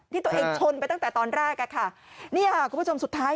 ที่ตัวเองชนไปตั้งแต่ตอนแรกอ่ะค่ะนี่ค่ะคุณผู้ชมสุดท้าย